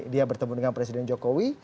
dia bertemu dengan presiden jokowi